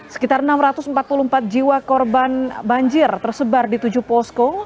sekitar enam ratus empat puluh empat jiwa korban banjir tersebar di tujuh posko